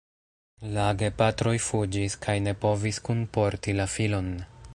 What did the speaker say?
La gepatroj fuĝis kaj ne povis kunporti la filon.